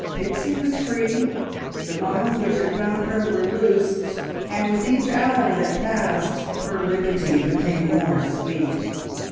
Pixie was free; the bonds which had bound her were loosed, and with each hour that passed her liberty became more sweet.